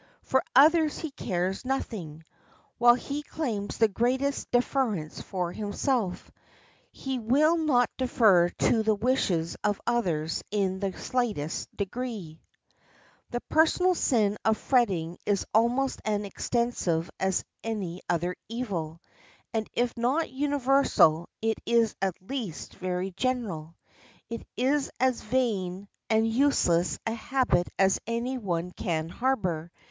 For others he cares nothing. While he claims the greatest deference for himself, he will not defer to the wishes of others in the slightest degree. The personal sin of fretting is almost as extensive as any other evil, and if not universal, it is at least very general. It is as vain and useless a habit as any one can harbor.